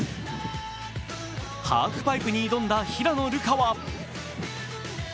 ハーフパイプに挑んだ平野流佳は！